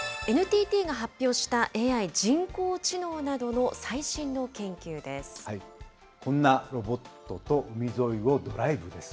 ＮＴＴが発表したＡＩ・人工知能などの最新の研究です。